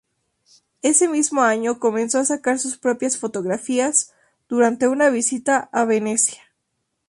Ese mismo año comenzó a sacar sus propias fotografías durante una visita a Venecia.